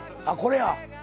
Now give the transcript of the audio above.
あっこれや。